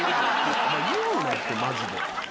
お前言うなってマジで。